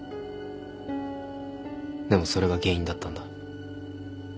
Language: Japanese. でもそれが原因だったんだ。